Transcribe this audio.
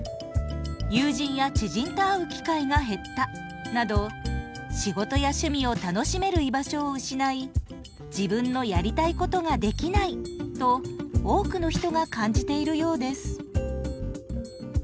「『友人や知人と会う』機会が減った」など仕事や趣味を楽しめる居場所を失い自分のやりたいことができないと多くの人が感じているようです。